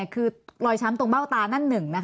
คือรอยช้ำตรงเบ้าตานั่นหนึ่ง